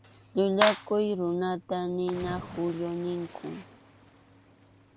Llullakuq runata nina qallu ninkum.